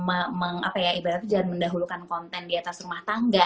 ibaratnya jangan mendahulukan konten di atas rumah tangga